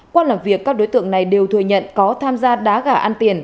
qua làm việc các đối tượng này đều thừa nhận có tham gia đá gà ăn tiền